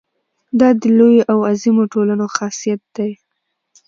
دا د لویو او عظیمو ټولنو خاصیت دی.